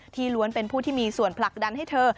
ล้วนเป็นผู้ที่มีส่วนผลักดันให้เธอ